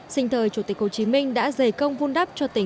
sinh thời chủ tịch hồ chí minh đã dày công vun đắp cho tỉnh